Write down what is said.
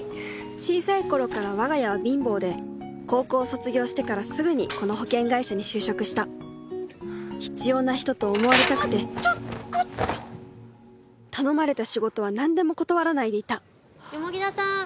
小さい頃からわが家は貧乏で高校を卒業してからすぐにこの保険会社に就職した必要な人と思われたくて頼まれた仕事は何でも断らないでいた田さん